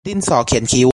ดินสอเขียนคิ้ว